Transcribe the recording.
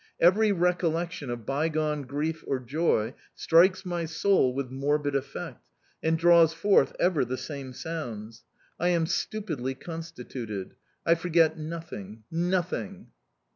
Every recollection of bygone grief or joy strikes my soul with morbid effect, and draws forth ever the same sounds... I am stupidly constituted: I forget nothing nothing!